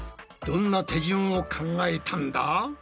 どんな手順を考えたんだ？